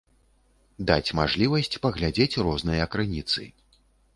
Даць мажлівасць паглядзець розныя крыніцы.